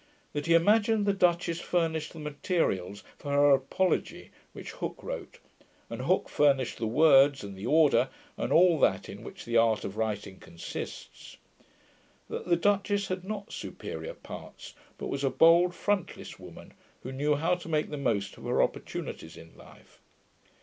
That he imagined the duchess furnished the materials for her Apology, which Hooke wrote, and Hooke furnished the words and the order, and all that in which the art of writing consists. That the duchess had not superior parts, but was a bold frontless woman, who knew how to make the most of her opportunities in life.